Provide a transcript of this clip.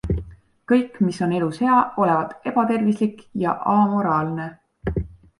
Kõik, mis on elus hea, olevat ebatervislik ja amoraalne.